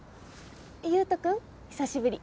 優斗君久しぶり。